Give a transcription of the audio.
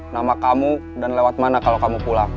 nama kamu dan lewat mana kalau kamu pulang